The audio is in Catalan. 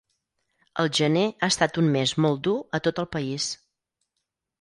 El gener ha estat un mes molt dur a tot el país.